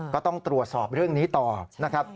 ก็ต้องตรวจสอบเรื่องนี้ต่อนะครับ